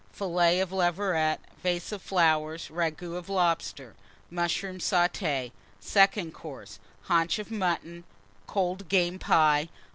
Fillets of Leveret. Vase of Ragoût of Lobster. Flowers. Mushrooms sautés. Second Course. Haunch of Mutton. Cold Game Pie.